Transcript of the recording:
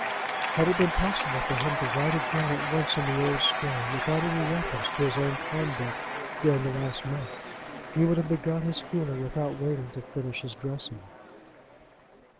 Had it been possible for him to write again at once in the old strain, without any reference to his own conduct during the last month, he would have begun his fooling without waiting to finish his dressing.